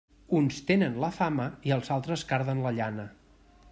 Uns tenen la fama i els altres carden la llana.